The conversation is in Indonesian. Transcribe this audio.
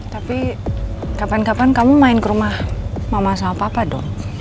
tapi kapan kapan kamu main ke rumah mama sama papa dong